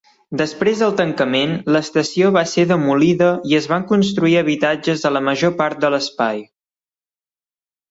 Després del tancament, l'estació va ser demolida i es van construir habitatges a la major part de l'espai.